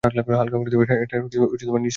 এটার নিশ্চয়ই কোন প্রয়োজন ছিল না।